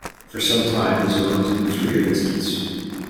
For some time the zone has been free of incidents.